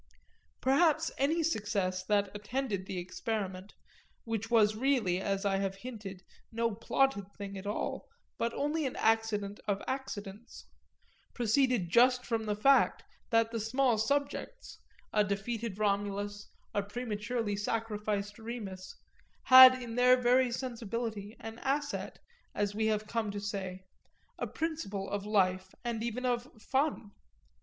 Perhaps any success that attended the experiment which was really, as I have hinted, no plotted thing at all, but only an accident of accidents proceeded just from the fact that the small subjects, a defeated Romulus, a prematurely sacrificed Remus, had in their very sensibility an asset, as we have come to say, a principle of life and even of "fun."